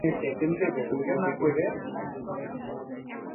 ইচ্ছা করলেই তো জলদস্যু কিংবা ডায়নামাইটস বহনকারীদের ওপর চালাতে পারি কড়া নজরদারি।